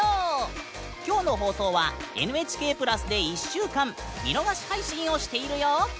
今日の放送はＮＨＫプラスで１週間見逃し配信をしているよ！